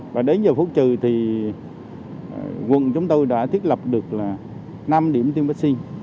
và đến giờ phút trừ thì quận chúng tôi đã thiết lập được năm điểm tiêm vaccine